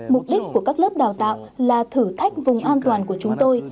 mục đích của các lớp đào tạo là thử thách vùng an toàn của chúng tôi